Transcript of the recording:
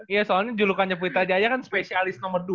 iya soalnya julukannya pwita jaya kan spesialis nomor